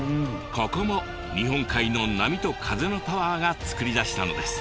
ここも日本海の波と風のパワーが作り出したのです。